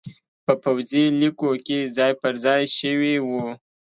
په پوځي لیکو کې ځای پرځای شوي وو